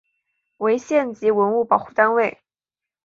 为县级文物保护单位。